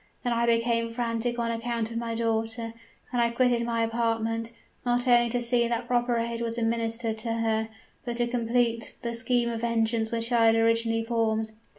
Then I became frantic on account of my daughter; and I quitted my apartment, not only to see that proper aid was administered to her, but to complete the scheme of vengeance which I had originally formed.